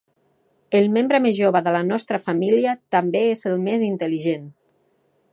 El membre més jove de la nostra família també és el més intel·ligent.